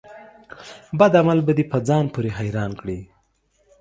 بد عمل به دي په ځان پوري حيران کړي